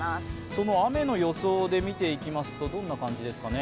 その雨の予想で見ていきますと、どんな感じですかね。